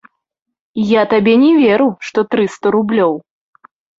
Я табе не веру, што трыста рублёў.